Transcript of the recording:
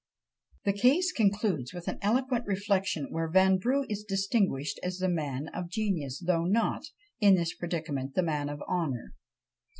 "The Case" concludes with an eloquent reflection, where Vanbrugh is distinguished as the man of genius, though not, in this predicament, the man of honour.